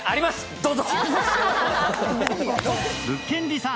どうぞ。